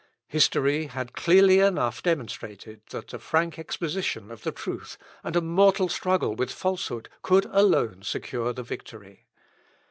History had clearly enough demonstrated, that a frank exposition of the truth, and a mortal struggle with falsehood, could alone secure the victory.